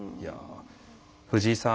藤井さん